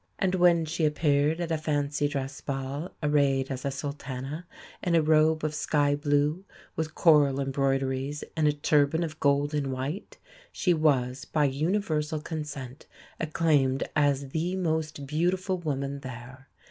And when she appeared at a fancy dress ball arrayed as a Sultana, in a robe of sky blue with coral embroideries and a turban of gold and white, she was by universal consent acclaimed as the most beautiful woman there.